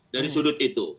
dari sudut itu